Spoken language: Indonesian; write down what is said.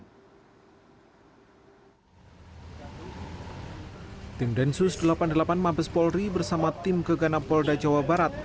tim densus delapan puluh delapan mabes polri bersama tim geganap polda jawa barat